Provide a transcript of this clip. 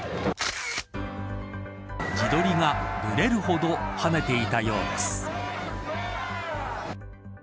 自撮りがぶれるほど跳ねていたようです。